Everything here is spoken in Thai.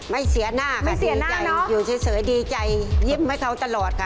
ไม่เสียหน้าค่ะเสียใจอยู่เฉยดีใจยิ้มให้เขาตลอดค่ะ